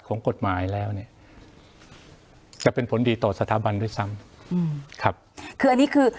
ของกฎหมายแล้วเนี่ยจะเป็นผลดีต่อสถาบันด้วยซ้ำอืมครับคืออันนี้คือ